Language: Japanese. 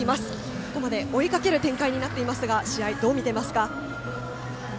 ここまで追いかける展開ですが試合をどう見ていますか？